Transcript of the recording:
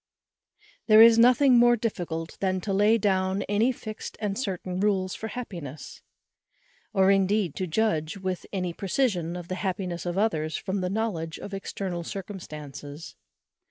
_ There is nothing more difficult than to lay down any fixed and certain rules for happiness; or indeed to judge with any precision of the happiness of others from the knowledge of external circumstances.